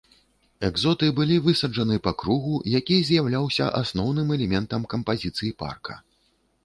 Экзоты былі высаджаны па кругу, які з'яўляўся асноўным элементам кампазіцыі парка.